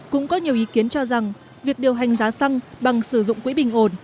cũng có nhiều ý kiến cho rằng việc điều hành giá xăng bằng sử dụng quỹ bình ổn